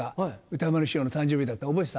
歌丸師匠の誕生日覚えてた？